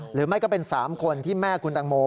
หรือไม่ก็เป็น๓คนที่แม่คุณตังโม